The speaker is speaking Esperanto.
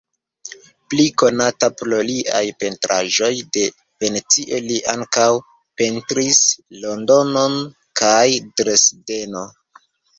Pli konata pro liaj pentraĵoj de Venecio, li ankaŭ pentris Londonon kaj Dresdeno.